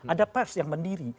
ada pers yang mendiri